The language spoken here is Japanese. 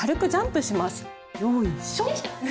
よいしょ。